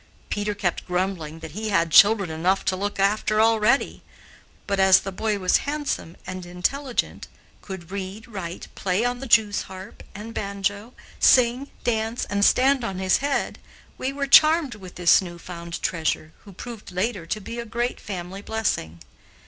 Peter kept grumbling that he had children enough to look after already, but, as the boy was handsome and intelligent, could read, write, play on the jewsharp and banjo, sing, dance, and stand on his head, we were charmed with this new found treasure, who proved later to be a great family blessing.